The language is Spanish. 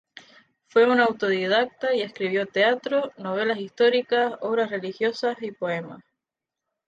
Fue un autodidacta y escribió teatro, novelas históricas, obras religiosas y poemas.